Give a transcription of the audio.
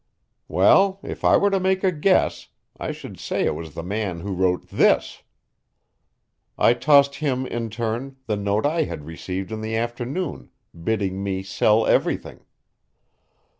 "Well, if I were to make a guess, I should say it was the man who wrote this." I tossed him in turn the note I had received in the afternoon, bidding me sell everything.